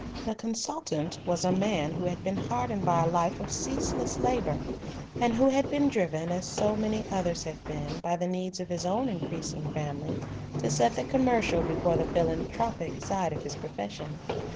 The consultant was a man who had been hardened by a life of ceaseless labour, and who had been driven, as so many others have been, by the needs of his own increasing family to set the commercial before the philanthropic side of his profession.